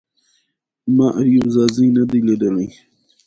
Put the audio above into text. ازادي راډیو د د کار بازار په اړه د نېکمرغۍ کیسې بیان کړې.